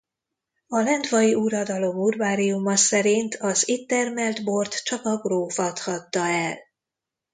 A lendvai uradalom urbáriuma szerint az itt termelt bort csak a gróf adhatta el.